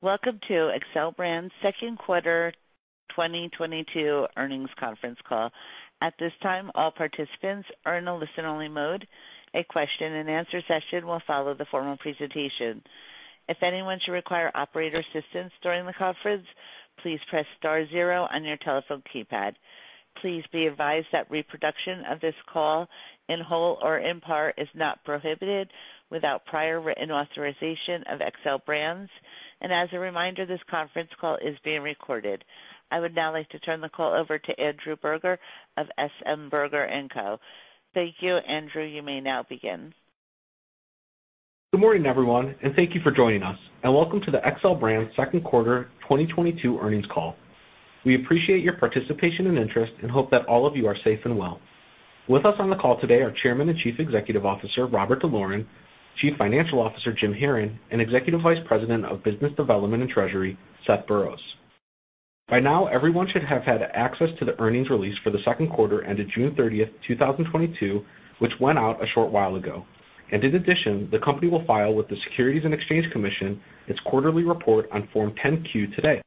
Welcome to Xcel Brands Q2 2022 Earnings Conference Call. At this time, all participants are in a listen-only mode. A question-and-answer session will follow the formal presentation. If anyone should require operator assistance during the conference, please press star zero on your telephone keypad. Please be advised that reproduction of this call in whole or in part is not prohibited without prior written authorization of Xcel Brands. As a reminder, this conference call is being recorded. I would now like to turn the call over to Andrew Berger of SM Berger & Company. Thank you, Andrew. You may now begin. Good morning, everyone, and thank you for joining us. Welcome to the Xcel Brands Q2 2022 Earnings Call. We appreciate your participation and interest and hope that all of you are safe and well. With us on the call today are Chairman and Chief Executive Officer Robert D'Loren, Chief Financial Officer Jim Heron, and Executive Vice President of Business Development and Treasury Seth Burroughs. By now, everyone should have had access to the earnings release for Q2 ended June 30th, 2022, which went out a short while ago. In addition, the company will file with the Securities and Exchange Commission its quarterly report on Form 10-Q today.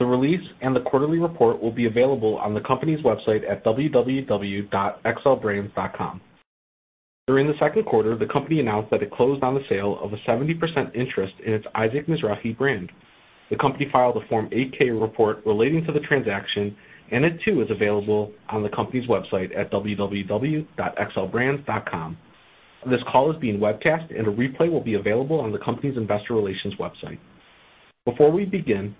The release and the quarterly report will be available on the company's website at www.xcelbrands.com. During Q2, the company announced that it closed on the sale of a 70% interest in its Isaac Mizrahi brand. The company filed a Form 8-K report relating to the transaction, and it too is available on the company's website at www.xcelbrands.com. This call is being webcast, and a replay will be available on the company's investor relations website. Before we begin,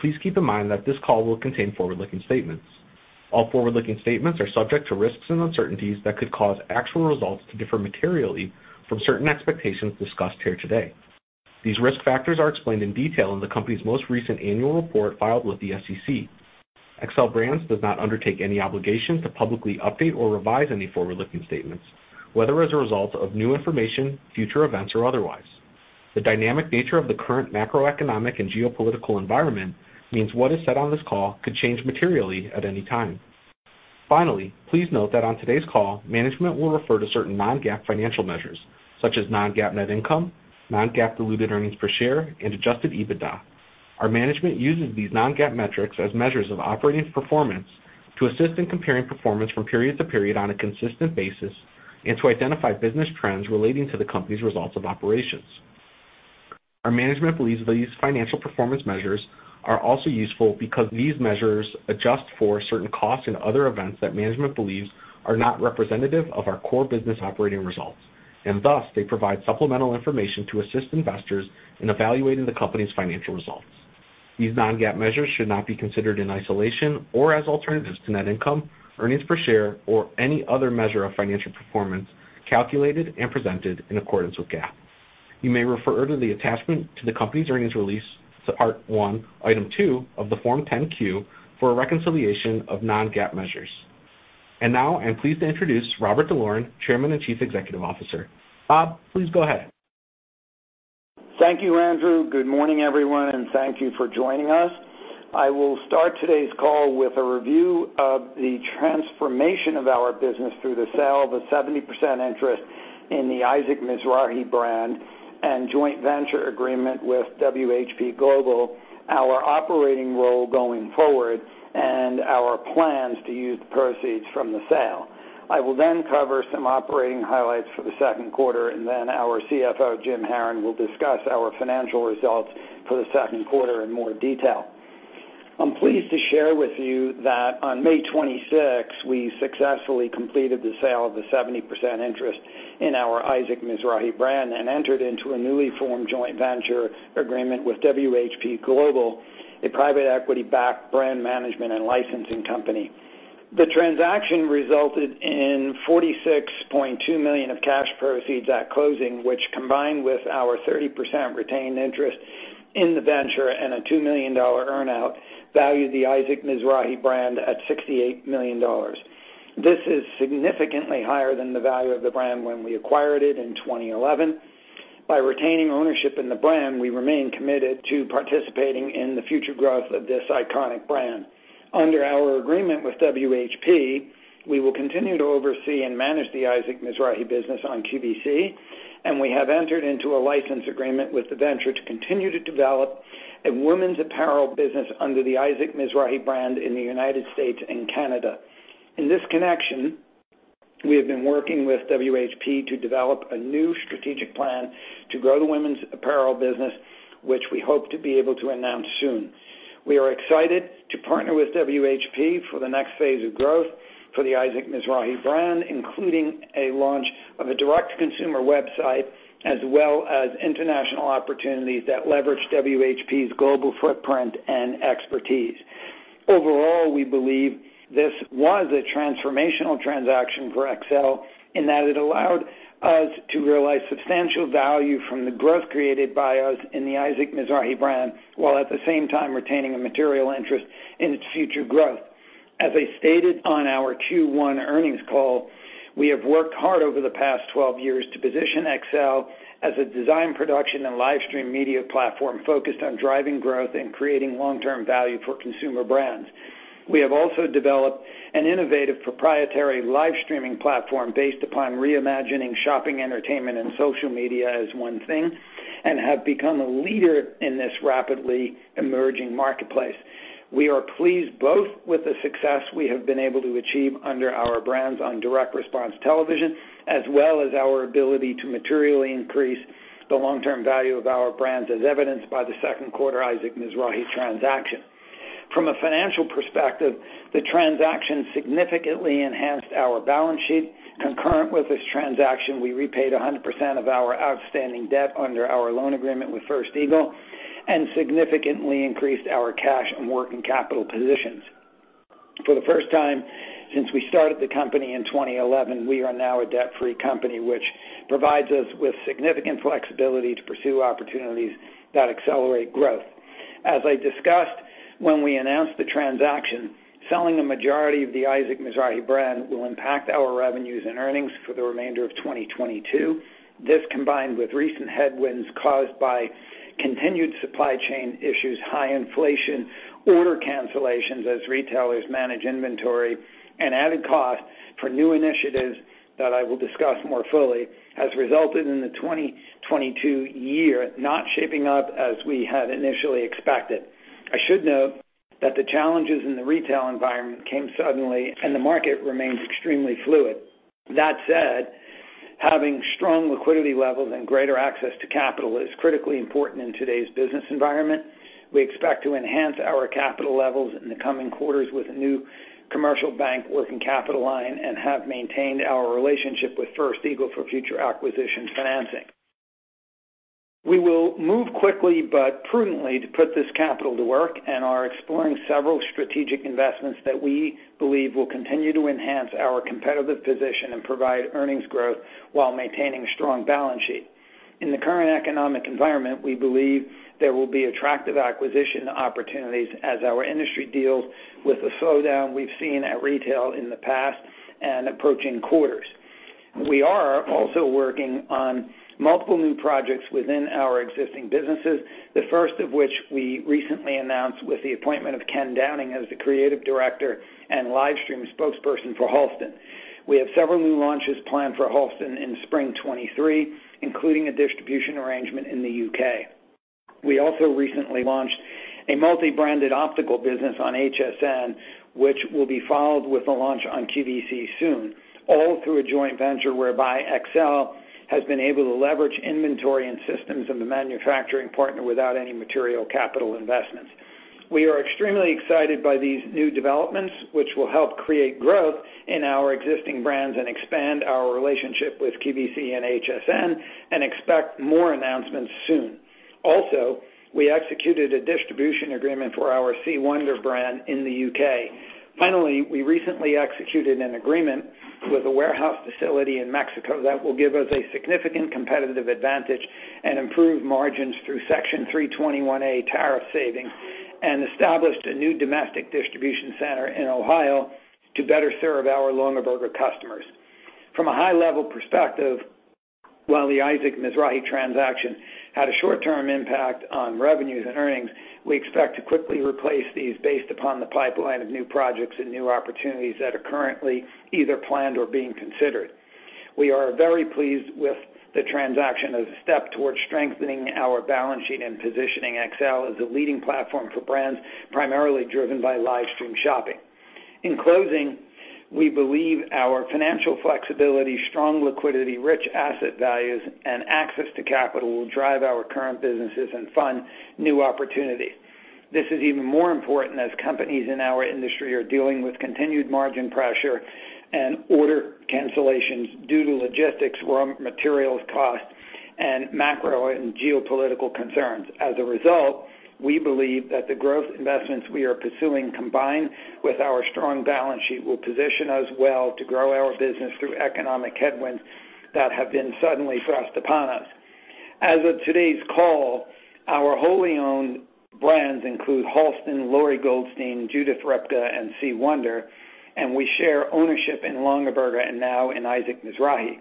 please keep in mind that this call will contain forward-looking statements. All forward-looking statements are subject to risks and uncertainties that could cause actual results to differ materially from certain expectations discussed here today. These risk factors are explained in detail in the company's most recent annual report filed with the SEC. Xcel Brands does not undertake any obligation to publicly update or revise any forward-looking statements, whether as a result of new information, future events, or otherwise. The dynamic nature of the current macroeconomic and geopolitical environment means what is said on this call could change materially at any time. Finally, please note that on today's call, management will refer to certain non-GAAP financial measures such as non-GAAP net income, non-GAAP diluted earnings per share, and adjusted EBITDA. Our management uses these non-GAAP metrics as measures of operating performance to assist in comparing performance from period to period on a consistent basis and to identify business trends relating to the company's results of operations. Our management believes these financial performance measures are also useful because these measures adjust for certain costs and other events that management believes are not representative of our core business operating results, and thus they provide supplemental information to assist investors in evaluating the company's financial results. These non-GAAP measures should not be considered in isolation or as alternatives to net income, earnings per share, or any other measure of financial performance calculated and presented in accordance with GAAP. You may refer to the attachment to the company's earnings release to Part one, Item two of the Form 10-Q for a reconciliation of non-GAAP measures. Now I'm pleased to introduce Robert D'Loren, Chairman and Chief Executive Officer. Bob, please go ahead. Thank you, Andrew. Good morning, everyone, and thank you for joining us. I will start today's call with a review of the transformation of our business through the sale of a 70% interest in the Isaac Mizrahi brand and joint venture agreement with WHP Global, our operating role going forward, and our plans to use the proceeds from the sale. I will then cover some operating highlights for Q2, and then our CFO, Jim Heron, will discuss our financial results for Q2 in more detail. I'm pleased to share with you that on May 26, we successfully completed the sale of the 70% interest in our Isaac Mizrahi brand and entered into a newly formed joint venture agreement with WHP Global, a private equity-backed brand management and licensing company. The transaction resulted in $46.2 million of cash proceeds at closing, which combined with our 30% retained interest in the venture and a $2 million earn-out, valued the Isaac Mizrahi brand at $68 million. This is significantly higher than the value of the brand when we acquired it in 2011. By retaining ownership in the brand, we remain committed to participating in the future growth of this iconic brand. Under our agreement with WHP, we will continue to oversee and manage the Isaac Mizrahi business on QVC, and we have entered into a license agreement with the venture to continue to develop a women's apparel business under the Isaac Mizrahi brand in the United States and Canada. In this connection, we have been working with WHP to develop a new strategic plan to grow the women's apparel business, which we hope to be able to announce soon. We are excited to partner with WHP for the next phase of growth for the Isaac Mizrahi brand, including a launch of a direct-to-consumer website, as well as international opportunities that leverage WHP's global footprint and expertise. Overall, we believe this was a transformational transaction for Xcel in that it allowed us to realize substantial value from the growth created by us in the Isaac Mizrahi brand, while at the same time retaining a material interest in its future growth. As I stated on our Q1 earnings call, we have worked hard over the past 12 years to position Xcel as a design, production, and live stream media platform focused on driving growth and creating long-term value for consumer brands. We have also developed an innovative proprietary live streaming platform based upon reimagining shopping, entertainment, and social media as one thing, and have become a leader in this rapidly emerging marketplace. We are pleased both with the success we have been able to achieve under our brands on direct response television, as well as our ability to materially increase the long-term value of our brands, as evidenced by Q2 Isaac Mizrahi transaction. From a financial perspective, the transaction significantly enhanced our balance sheet. Concurrent with this transaction, we repaid 100% of our outstanding debt under our loan agreement with First Eagle and significantly increased our cash and working capital positions. For the first time since we started the company in 2011, we are now a debt-free company, which provides us with significant flexibility to pursue opportunities that accelerate growth. As I discussed when we announced the transaction, selling a majority of the Isaac Mizrahi brand will impact our revenues and earnings for the remainder of 2022. This combined with recent headwinds caused by continued supply chain issues, high inflation, order cancellations as retailers manage inventory, and added cost for new initiatives that I will discuss more fully, has resulted in the 2022 year not shaping up as we had initially expected. I should note that the challenges in the retail environment came suddenly, and the market remains extremely fluid. That said, having strong liquidity levels and greater access to capital is critically important in today's business environment. We expect to enhance our capital levels in the coming quarters with a new commercial bank working capital line and have maintained our relationship with First Eagle for future acquisition financing. We will move quickly but prudently to put this capital to work and are exploring several strategic investments that we believe will continue to enhance our competitive position and provide earnings growth while maintaining a strong balance sheet. In the current economic environment, we believe there will be attractive acquisition opportunities as our industry deals with the slowdown we've seen at retail in the past and approaching quarters. We are also working on multiple new projects within our existing businesses, the first of which we recently announced with the appointment of Ken Downing as the creative director and live stream spokesperson for Halston. We have several new launches planned for Halston in spring 2023, including a distribution arrangement in the U.K. We also recently launched a multi-branded optical business on HSN, which will be followed with a launch on QVC soon, all through a joint venture whereby Xcel has been able to leverage inventory and systems of the manufacturing partner without any material capital investments. We are extremely excited by these new developments, which will help create growth in our existing brands and expand our relationship with QVC and HSN, and expect more announcements soon. Also, we executed a distribution agreement for our C. Wonder brand in the U.K. Finally, we recently executed an agreement with a warehouse facility in Mexico that will give us a significant competitive advantage and improve margins through Section 321 a tariff savings, and established a new domestic distribution center in Ohio to better serve our Longaberger customers. From a high level perspective, while the Isaac Mizrahi transaction had a short-term impact on revenues and earnings, we expect to quickly replace these based upon the pipeline of new projects and new opportunities that are currently either planned or being considered. We are very pleased with the transaction as a step towards strengthening our balance sheet and positioning Xcel as a leading platform for brands, primarily driven by live stream shopping. In closing, we believe our financial flexibility, strong liquidity, rich asset values, and access to capital will drive our current businesses and fund new opportunities. This is even more important as companies in our industry are dealing with continued margin pressure and order cancellations due to logistics, raw materials cost, and macro and geopolitical concerns. As a result, we believe that the growth investments we are pursuing, combined with our strong balance sheet, will position us well to grow our business through economic headwinds that have been suddenly thrust upon us. As of today's call, our wholly owned brands include Halston, Lori Goldstein, Judith Ripka, and C. Wonder, and we share ownership in Longaberger and now in Isaac Mizrahi.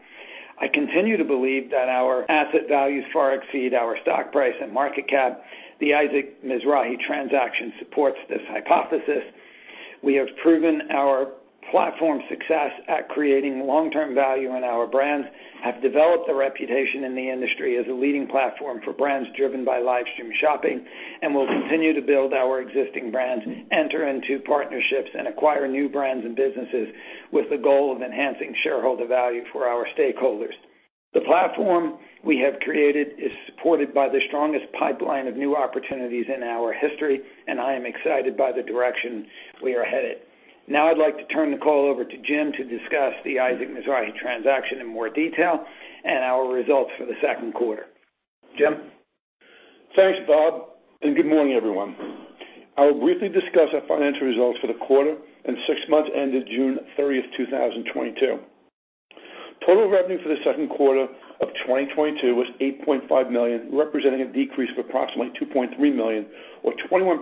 I continue to believe that our asset values far exceed our stock price and market cap. The Isaac Mizrahi transaction supports this hypothesis. We have proven our platform success at creating long-term value in our brands, have developed a reputation in the industry as a leading platform for brands driven by live stream shopping, and will continue to build our existing brands, enter into partnerships, and acquire new brands and businesses with the goal of enhancing shareholder value for our stakeholders. The platform we have created is supported by the strongest pipeline of new opportunities in our history, and I am excited by the direction we are headed. Now I'd like to turn the call over to Jim to discuss the Isaac Mizrahi transaction in more detail and our results for Q2. Jim? Thanks, Bob, and good morning, everyone. I will briefly discuss our financial results for the quarter and six months ended June 30, 2022. Total revenue for Q2 of 2022 was $8.5 million, representing a decrease of approximately $2.3 million or 21%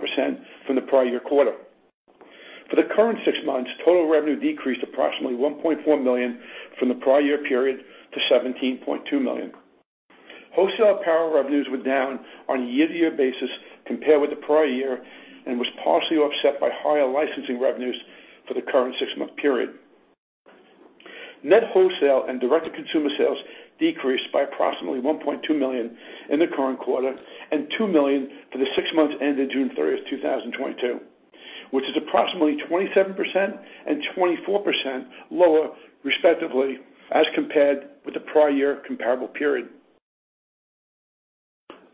from the prior year quarter. For the current six months, total revenue decreased approximately $1.4 million from the prior year period to $17.2 million. Wholesale apparel revenues were down on a year-to-year basis compared with the prior year and was partially offset by higher licensing revenues for the current six-month period. Net wholesale and direct-to-consumer sales decreased by approximately $1.2 million in the current quarter and $2 million for the six months ended June 30, 2022, which is approximately 27% and 24% lower, respectively, as compared with the prior year comparable period.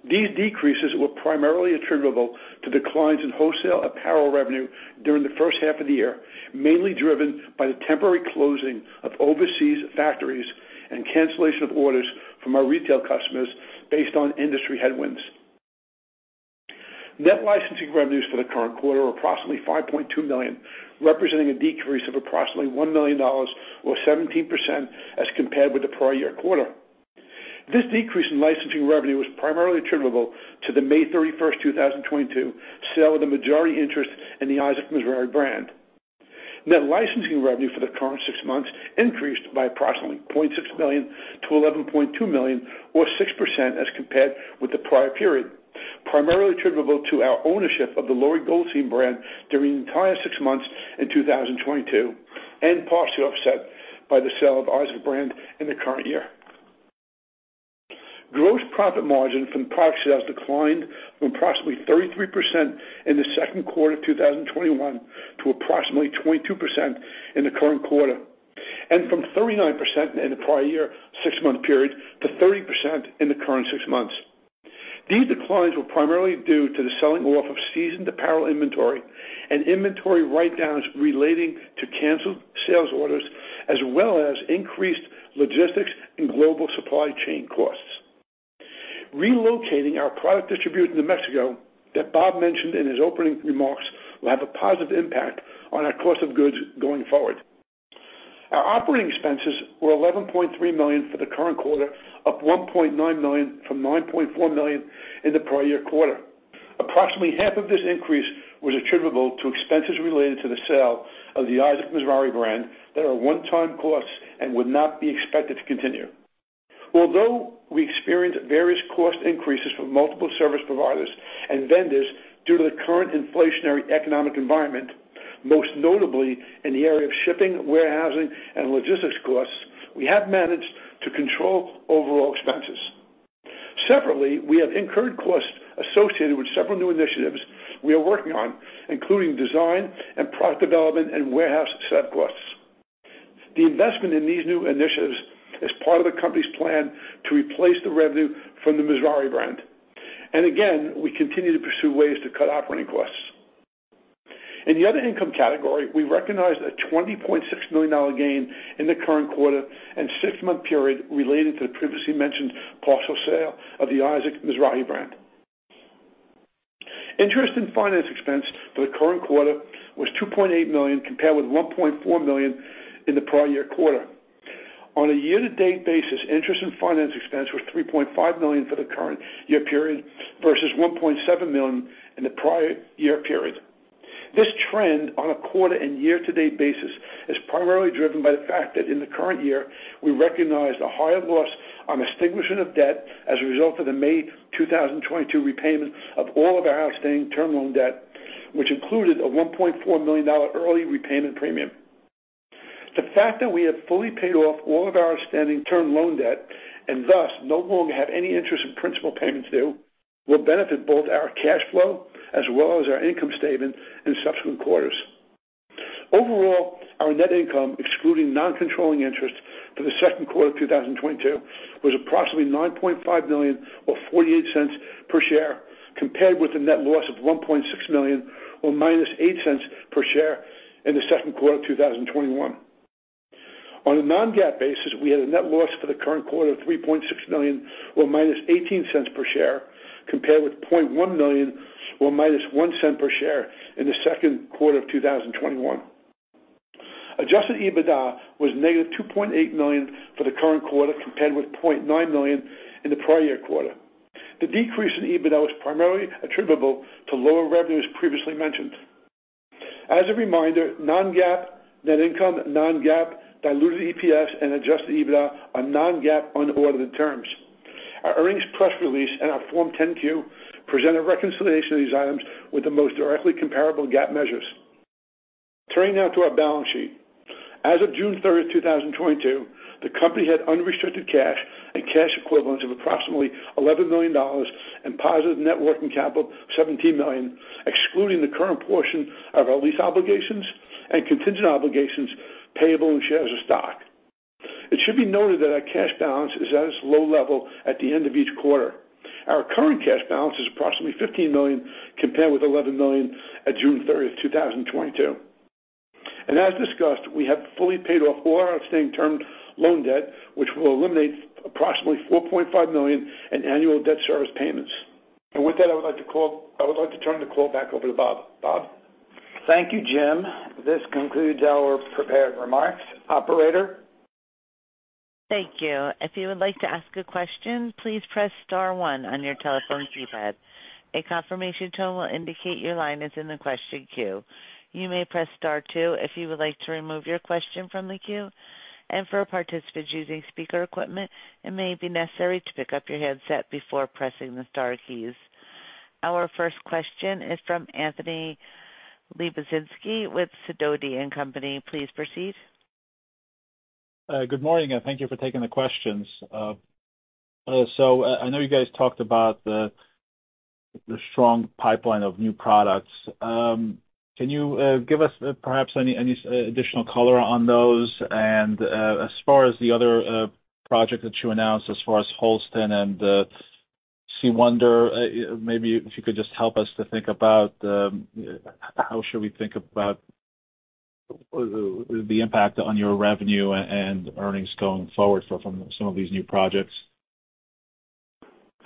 These decreases were primarily attributable to declines in wholesale apparel revenue during the first half of the year, mainly driven by the temporary closing of overseas factories and cancellation of orders from our retail customers based on industry headwinds. Net licensing revenues for the current quarter are approximately $5.2 million, representing a decrease of approximately $1 million or 17% as compared with the prior year quarter. This decrease in licensing revenue was primarily attributable to the May 31st, 2022 sale of the majority interest in the Isaac Mizrahi brand. Net licensing revenue for the current six months increased by approximately $0.6 million to $11.2 million, or 6% as compared with the prior period, primarily attributable to our ownership of the Lori Goldstein brand during the entire six months in 2022 and partially offset by the sale of Isaac Mizrahi brand in the current year. Gross profit margin from product sales declined from approximately 33% in Q2 of 2021 to approximately 22% in the current quarter, and from 39% in the prior year six-month period to 30% in the current six months. These declines were primarily due to the selling off of seasoned apparel inventory and inventory write-downs relating to canceled sales orders, as well as increased logistics and global supply chain costs. Relocating our product distribution in Mexico that Bob mentioned in his opening remarks will have a positive impact on our cost of goods going forward. Our operating expenses were $11.3 million for the current quarter, up $1.9 million from $9.4 million in the prior year quarter. Approximately half of this increase was attributable to expenses related to the sale of the Isaac Mizrahi brand that are one-time costs and would not be expected to continue. Although we experienced various cost increases from multiple service providers and vendors due to the current inflationary economic environment, most notably in the area of shipping, warehousing, and logistics costs, we have managed to control overall expenses. Separately, we have incurred costs associated with several new initiatives we are working on, including design and product development and warehouse setup costs. The investment in these new initiatives is part of the company's plan to replace the revenue from the Mizrahi brand. Again, we continue to pursue ways to cut operating costs. In the other income category, we recognized a $20.6 million gain in the current quarter and six-month period related to the previously mentioned partial sale of the Isaac Mizrahi brand. Interest and finance expense for the current quarter was $2.8 million, compared with $1.4 million in the prior year quarter. On a year-to-date basis, interest and finance expense was $3.5 million for the current year period versus $1.7 million in the prior year period. This trend on a quarter and year-to-date basis is primarily driven by the fact that in the current year we recognized a higher loss on extinguishment of debt as a result of the May 2022 repayment of all of our outstanding term loan debt, which included a $1.4 million early repayment premium. The fact that we have fully paid off all of our outstanding term loan debt and thus no longer have any interest in principal payments due will benefit both our cash flow as well as our income statement in subsequent quarters. Overall, our net income, excluding non-controlling interest for Q2 of 2022, was approximately $9.5 million or $0.48 per share, compared with a net loss of $1.6 million or -$0.08 per share in Q2 of 2021. On a non-GAAP basis, we had a net loss for the current quarter of $3.6 million or -$0.18 per share, compared with $0.1 million or -$0.01 per share in Q2 of 2021. Adjusted EBITDA was -$2.8 million for the current quarter, compared with $0.9 million in the prior year quarter. The decrease in EBITDA was primarily attributable to lower revenues previously mentioned. As a reminder, non-GAAP net income, non-GAAP diluted EPS and adjusted EBITDA are non-GAAP unaudited terms. Our earnings press release and our Form 10-Q present a reconciliation of these items with the most directly comparable GAAP measures. Turning now to our balance sheet. As of June 30, 2022, the company had unrestricted cash and cash equivalents of approximately $11 million and positive net working capital of $17 million, excluding the current portion of our lease obligations and contingent obligations payable in shares of stock. It should be noted that our cash balance is at its low level at the end of each quarter. Our current cash balance is approximately $15 million, compared with $11 million at June 30, 2022. As discussed, we have fully paid off all our outstanding term loan debt, which will eliminate approximately $4.5 million in annual debt service payments. With that, I would like to turn the call back over to Bob. Bob? Thank you, Jim. This concludes our prepared remarks. Operator? Thank you. If you would like to ask a question, please press star one on your telephone keypad. A confirmation tone will indicate your line is in the question queue. You may press star two if you would like to remove your question from the queue. For participants using speaker equipment, it may be necessary to pick up your headset before pressing the star keys. Our first question is from Anthony Lebiedzinski with Sidoti & Company. Please proceed. Good morning, and thank you for taking the questions. I know you guys talked about the strong pipeline of new products. Can you give us perhaps any additional color on those? As far as the other project that you announced as far as Halston and C. Wonder, maybe if you could just help us to think about how should we think about the impact on your revenue and earnings going forward for some of these new projects?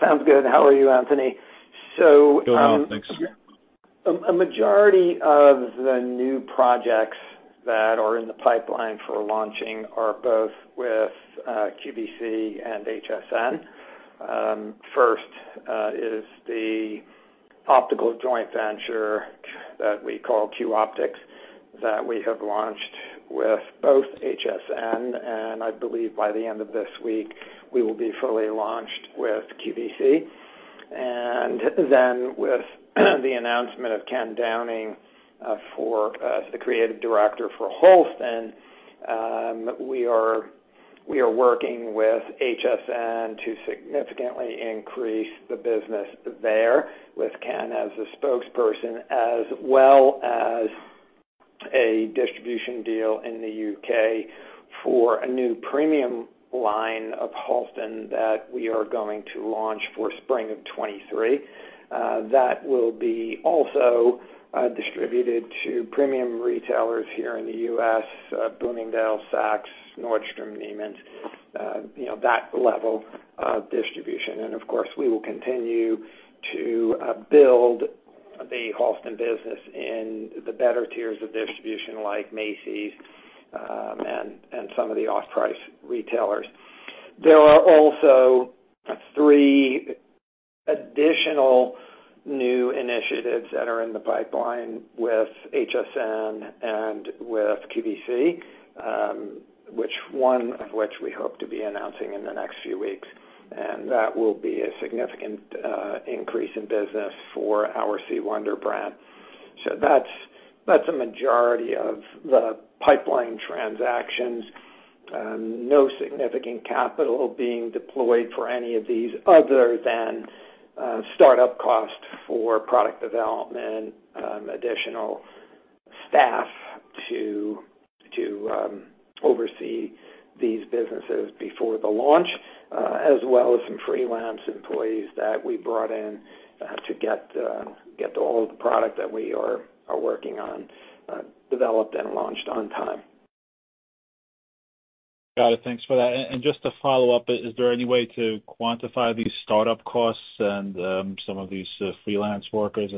Sounds good. How are you, Anthony? Good. Thanks. A majority of the new projects that are in the pipeline for launching are both with QVC and HSN. First, is the optical joint venture that we call Q-Optics that we have launched with both HSN, and I believe by the end of this week, we will be fully launched with QVC. Then with the announcement of Ken Downing for the creative director for Halston, we are working with HSN to significantly increase the business there with Ken as the spokesperson, as well as a distribution deal in the U.K. for a new premium line of Halston that we are going to launch for spring of 2023. That will be also distributed to premium retailers here in the U.S., Bloomingdale's, Saks, Nordstrom, Neiman, you know, that level of distribution. Of course, we will continue to build the Halston business in the better tiers of distribution like Macy's, and some of the off-price retailers. There are also three additional new initiatives that are in the pipeline with HSN and with QVC, one of which we hope to be announcing in the next few weeks. That will be a significant increase in business for our C. Wonder brand. That's a majority of the pipeline transactions. No significant capital being deployed for any of these other than start-up costs for product development, additional staff to oversee these businesses before the launch, as well as some freelance employees that we brought in to get all of the product that we are working on developed and launched on time. Got it. Thanks for that. Just to follow up, is there any way to quantify these start-up costs and some of these freelance workers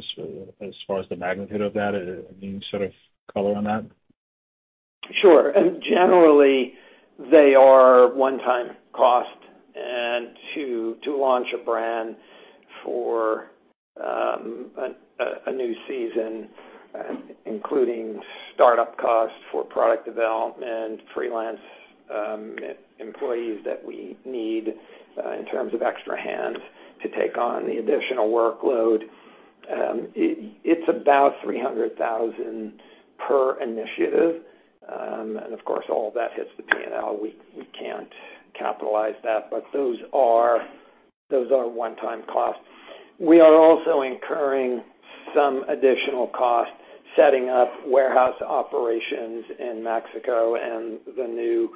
as far as the magnitude of that? Any sort of color on that? Sure. Generally, they are one-time cost. To launch a brand for a new season, including start-up costs for product development, freelance employees that we need in terms of extra hands to take on the additional workload, it's about $300,000 per initiative. Of course, all that hits the P&L. We can't capitalize that, but those are one-time costs. We are also incurring some additional costs setting up warehouse operations in Mexico and the new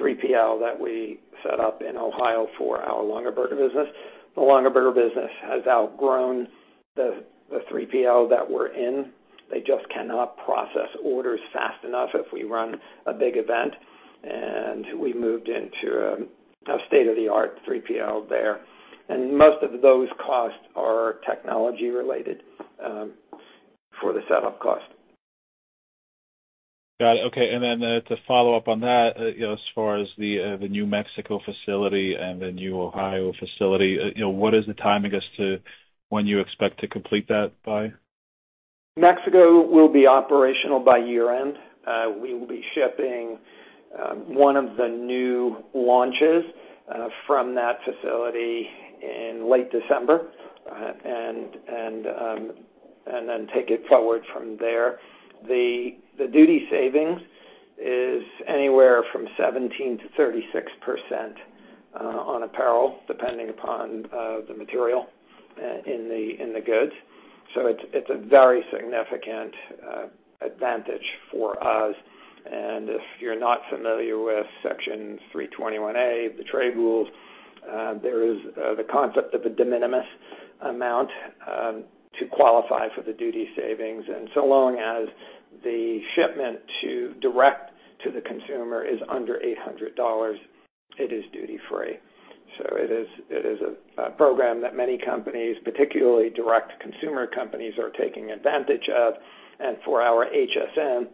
3PL that we set up in Ohio for our Longaberger business. The Longaberger business has outgrown the 3PL that we're in. They just cannot process orders fast enough if we run a big event, and we moved into a state of the art 3PL there. Most of those costs are technology related for the setup cost. Got it. Okay. To follow up on that, you know, as far as the New Mexico facility and the new Ohio facility, you know, what is the timing as to when you expect to complete that by? Mexico will be operational by year-end. We will be shipping one of the new launches from that facility in late December, and then take it forward from there. The duty savings is anywhere from 17%-36% on apparel, depending upon the material in the goods. It's a very significant advantage for us. If you're not familiar with Section 321, the trade rules, there is the concept of a de minimis amount to qualify for the duty savings. So long as the shipment to direct to the consumer is under $800, it is duty free. It is a program that many companies, particularly direct consumer companies, are taking advantage of. For our HSN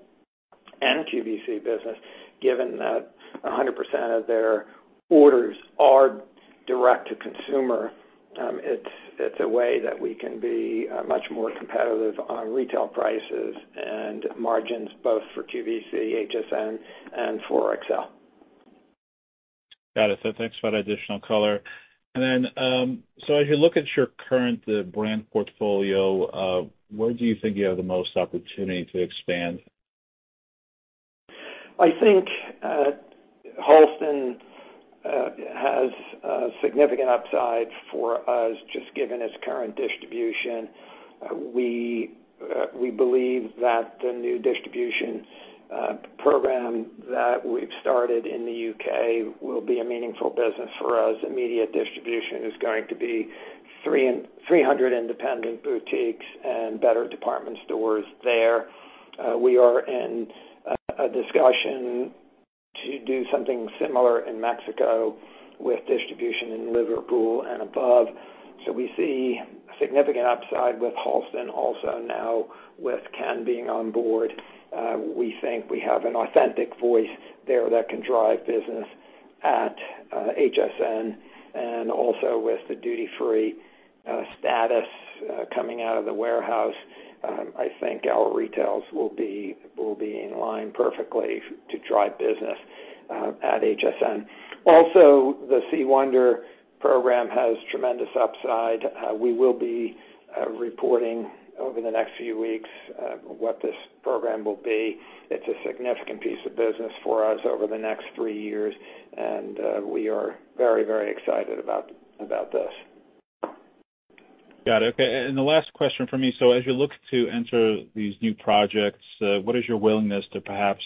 and QVC business, given that 100% of their orders are direct to consumer, it's a way that we can be much more competitive on retail prices and margins, both for QVC, HSN, and for Xcel. Got it. Thanks for that additional color. As you look at your current brand portfolio, where do you think you have the most opportunity to expand? I think Halston has a significant upside for us just given its current distribution. We believe that the new distribution program that we've started in the UK will be a meaningful business for us. Immediate distribution is going to be 300 independent boutiques and better department stores there. We are in a discussion to do something similar in Mexico with distribution in Liverpool and above. We see significant upside with Halston also now with Ken being on board. We think we have an authentic voice there that can drive business at HSN and also with the duty-free status coming out of the warehouse. I think our retails will be in line perfectly to drive business at HSN. Also, the C. Wonder program has tremendous upside. We will be reporting over the next few weeks what this program will be. It's a significant piece of business for us over the next three years, and we are very, very excited about this. Got it. Okay. The last question from me. As you look to enter these new projects, what is your willingness to perhaps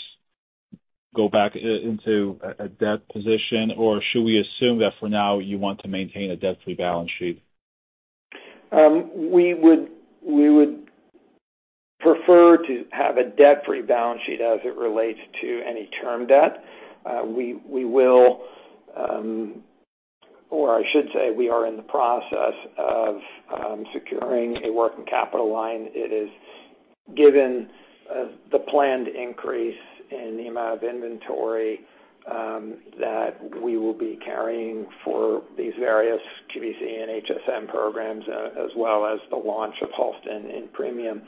go back into a debt position? Or should we assume that for now you want to maintain a debt-free balance sheet? We would prefer to have a debt-free balance sheet as it relates to any term debt. We will, or I should say we are in the process of, securing a working capital line. It is given the planned increase in the amount of inventory that we will be carrying for these various QVC and HSN programs as well as the launch of Halston in premium.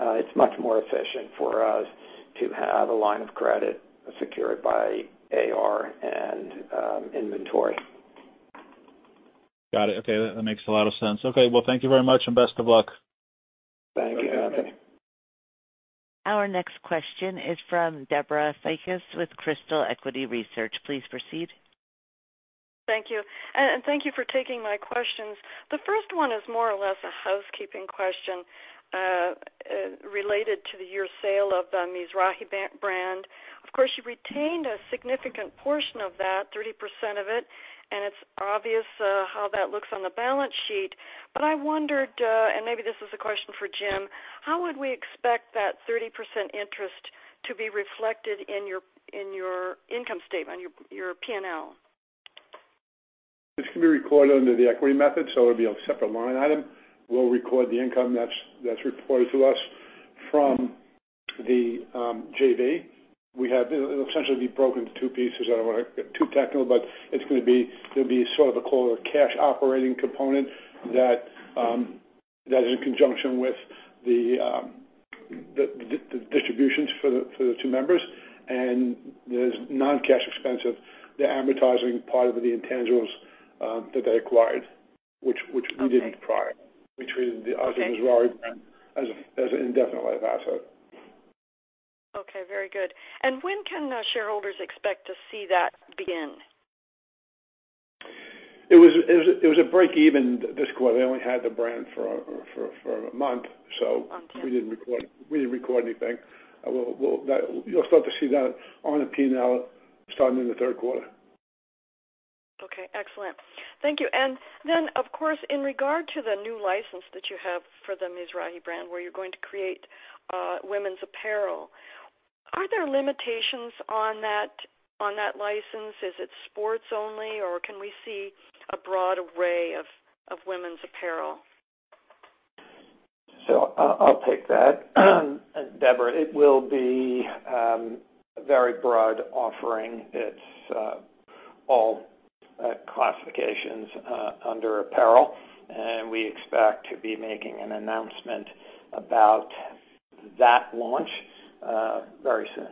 It's much more efficient for us to have a line of credit secured by AR and inventory. Got it. Okay. That makes a lot of sense. Okay. Well, thank you very much and best of luck. Thank you, Anthony. Our next question is from Debra Fiakas with Crystal Equity Research. Please proceed. Thank you. Thank you for taking my questions. The first one is more or less a housekeeping question related to your sale of the Mizrahi brand. Of course, you retained a significant portion of that, 30% of it, and it's obvious how that looks on the balance sheet. I wondered, and maybe this is a question for Jim, how would we expect that 30% interest to be reflected in your income statement, your P&L? This can be recorded under the equity method, so it'll be a separate line item. We'll record the income that's reported to us from the JV. It'll essentially be broken into two pieces. I don't wanna get too technical, but there'll be sort of a core cash operating component that is in conjunction with the distributions for the two members. There's non-cash expense of the amortizing part of the intangibles that they acquired, which we didn't prior. We treated the Mizrahi brand as an indefinite life asset. Okay. Very good. When can shareholders expect to see that begin? It was a break even this quarter. They only had the brand for a month. We didn't record anything. You'll start to see that on the P&L starting in Q3. Okay. Excellent. Thank you. Of course, in regard to the new license that you have for the Mizrahi brand, where you're going to create women's apparel, are there limitations on that license? Is it sports only, or can we see a broad array of women's apparel? I'll take that. Debra, it will be a very broad offering. It's all classifications under apparel, and we expect to be making an announcement about that launch very soon.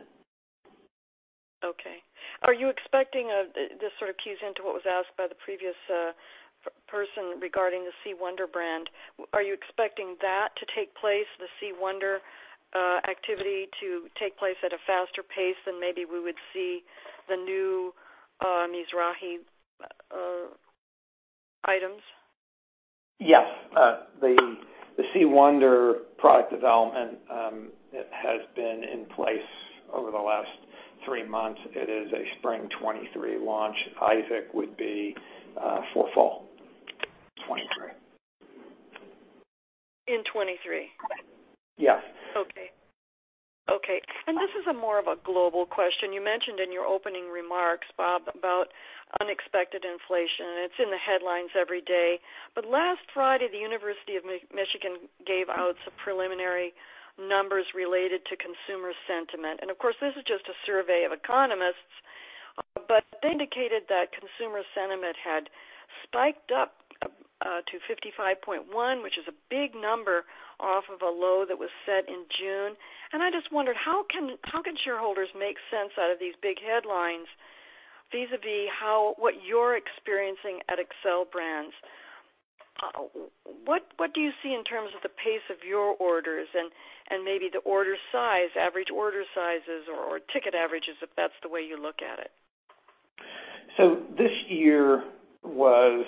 Okay. This sort of keys into what was asked by the previous person regarding the C. Wonder brand. Are you expecting that to take place, the C. Wonder activity to take place at a faster pace than maybe we would see the new Mizrahi items? Yes. The C. Wonder product development has been in place over the last three months. It is a spring 2023 launch. Isaac Mizrahi would be for fall 2023. In 2023? Yes. This is more of a global question. You mentioned in your opening remarks, Bob, about unexpected inflation. It's in the headlines every day. Last Friday, the University of Michigan gave out some preliminary numbers related to consumer sentiment. Of course, this is just a survey of economists, but they indicated that consumer sentiment had spiked up to 55.1, which is a big number off of a low that was set in June. I just wondered, how can shareholders make sense out of these big headlines vis-à-vis how, what you're experiencing at Xcel Brands? What do you see in terms of the pace of your orders and maybe the order size, average order sizes or ticket averages, if that's the way you look at it? This year was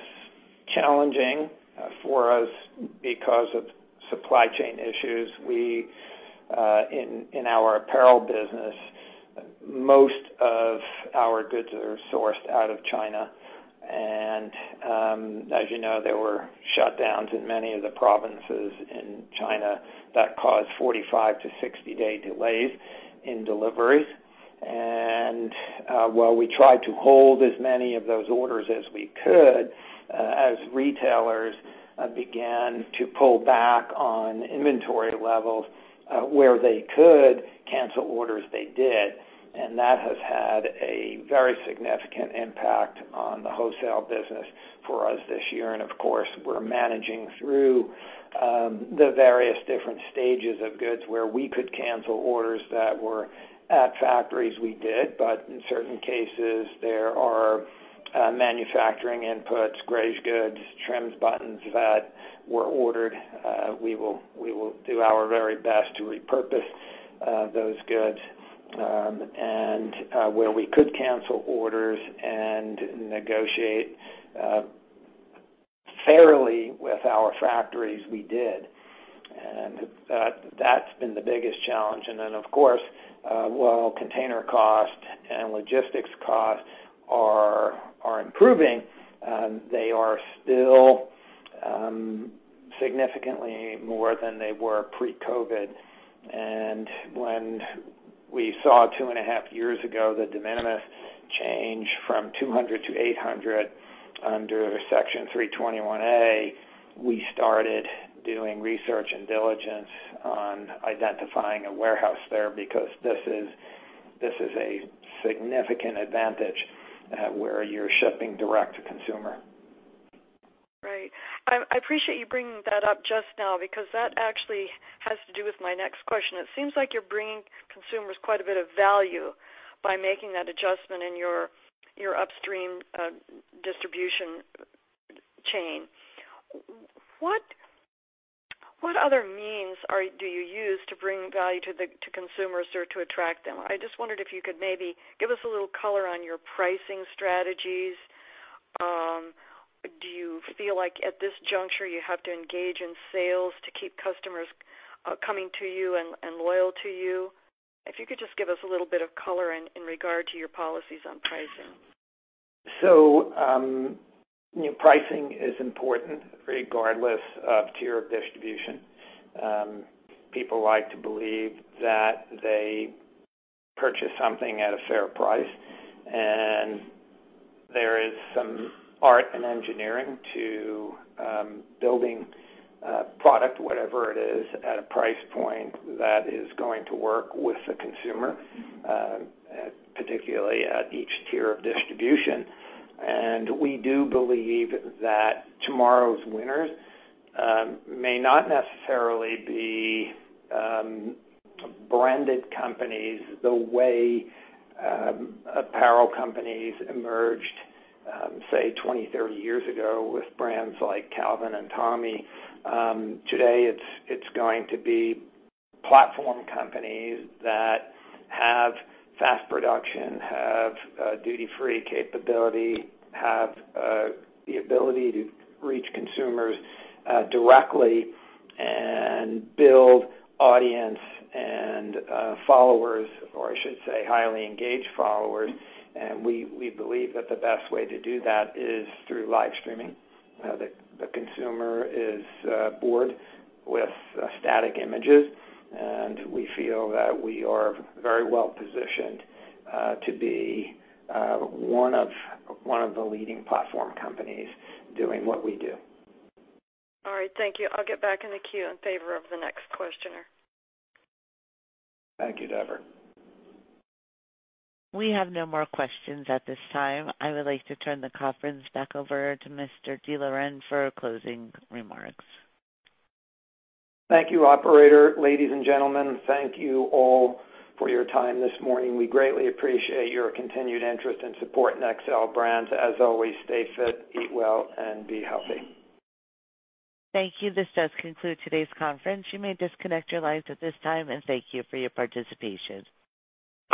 challenging for us because of supply chain issues. We in our apparel business, most of our goods are sourced out of China. As you know, there were shutdowns in many of the provinces in China that caused 45- to 60-day delays in deliveries. While we tried to hold as many of those orders as we could, as retailers began to pull back on inventory levels, where they could cancel orders, they did, and that has had a very significant impact on the wholesale business for us this year. Of course, we're managing through the various different stages of goods. Where we could cancel orders that were at factories, we did. In certain cases, there are manufacturing inputs, gray goods, trims, buttons that were ordered. We will do our very best to repurpose those goods. Where we could cancel orders and negotiate fairly with our factories, we did. That's been the biggest challenge. Of course, while container costs and logistics costs are improving, they are still significantly more than they were pre-COVID. When we saw 2.5 years ago the de minimis change from $200 to $800 under Section 321, we started doing research and diligence on identifying a warehouse there because this is a significant advantage where you're shipping direct to consumer. Right. I appreciate you bringing that up just now because that actually has to do with my next question. It seems like you're bringing consumers quite a bit of value by making that adjustment in your upstream distribution chain. What other means do you use to bring value to consumers or to attract them? I just wondered if you could maybe give us a little color on your pricing strategies. Do you feel like at this juncture, you have to engage in sales to keep customers coming to you and loyal to you? If you could just give us a little bit of color in regard to your policies on pricing. You know, pricing is important regardless of tier of distribution. People like to believe that they purchase something at a fair price, and there is some art and engineering to building product, whatever it is, at a price point that is going to work with the consumer, particularly at each tier of distribution. We do believe that tomorrow's winners may not necessarily be branded companies the way apparel companies emerged, say, 20, 30 years ago with brands like Calvin and Tommy. Today, it's going to be platform companies that have fast production, have duty-free capability, have the ability to reach consumers directly and build audience and followers or I should say, highly engaged followers. We believe that the best way to do that is through live streaming. The consumer is bored with static images, and we feel that we are very well-positioned to be one of the leading platform companies doing what we do. All right. Thank you. I'll get back in the queue in favor of the next questioner. Thank you, Debra. We have no more questions at this time. I would like to turn the conference back over to Mr. D'Loren for closing remarks. Thank you, operator. Ladies and gentlemen, thank you all for your time this morning. We greatly appreciate your continued interest and support in Xcel Brands. As always, stay fit, eat well, and be healthy. Thank you. This does conclude today's conference. You may disconnect your lines at this time, and thank you for your participation.